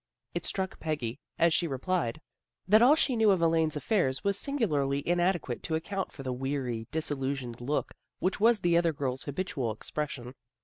It struck Peggy, as she replied, that all she knew of Elaine's affairs was singularly inadequate to account for the weary, disillusioned look which was the other girl's habitual expression.